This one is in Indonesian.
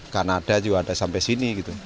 kanada juga ada sampai sini gitu